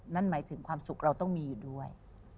นั่นหมายถึงความสุขเราต้องมีอยู่ด้วย